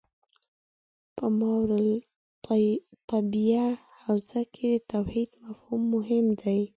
په ماورا الطبیعه حوزه کې د توحید مفهوم مهم دی.